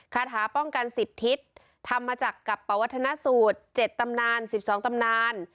คาถาป้องกัน๑๐ทิศทำมาจากกับปวัฒนสูตร๗ตำนาน๑๒ตำนาน